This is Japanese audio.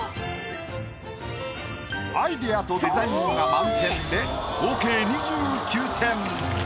アイデアとデザインが満点で合計２９点。